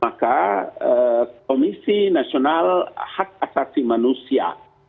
maka komisi nasional hak asasi manusia